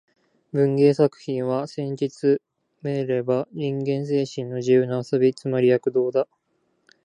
文芸作品は、せんじつめれば人間精神の自由な遊び、つまり躍動だ